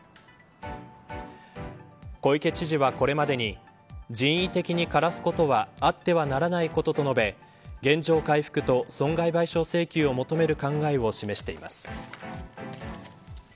小池知事はこれまでに人為的に枯らすことはあってはならないことと述べ原状回復と、損害賠償請求を求める考えを示しています。